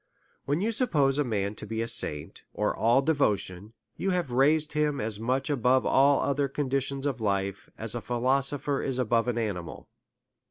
When you suppose a man to be a saint, or all devotion, you have raised him as much above all other conditions of life, as a philosopher is above an animal.